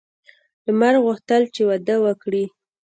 لمر غوښتل چې واده وکړي.